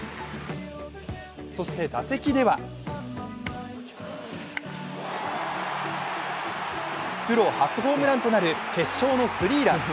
そして打席ではプロ初ホームランとなる決勝のスリーラン。